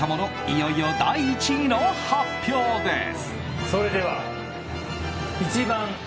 いよいよ第１位の発表です。